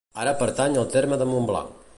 Ara pertany al terme de Montblanc.